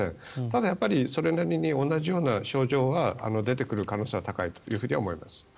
ただやっぱりそれなりに同じような症状が出てくる可能性は高いと思います。